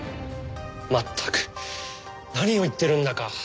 まったく何を言っているんだか。